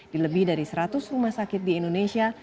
di lebih dari seratus rumah sakit di indonesia